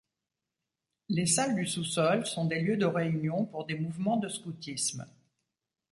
Les salles du sous-sol sont des lieux de réunion pour des mouvements de scoutisme.